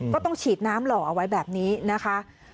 ก็ต้องฉีดน้ำหล่อเอาไว้แบบนี้นะคะ